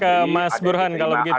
ke mas burhan kalau begitu